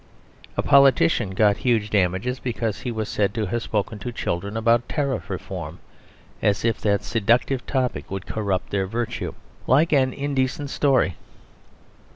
A politician got huge damages because he was said to have spoken to children about Tariff Reform; as if that seductive topic would corrupt their virtue, like an indecent story.